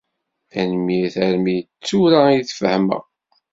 Tanemmirt, armi d tura i d-fehmeɣ.